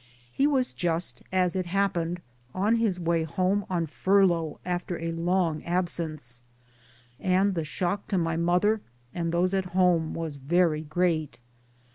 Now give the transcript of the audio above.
He was just, as it happened, on his way home on fur lough after a long absence, and the shock to my mother and those at home was very great.